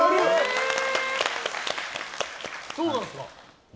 そうなんですか。